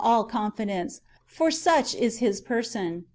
all confidence, for such is His person.